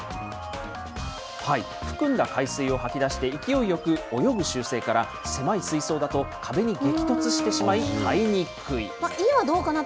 含んだ海水を吐き出して勢いよく泳ぐ習性から、狭い水槽だと壁に激突してしまい、飼いにくい。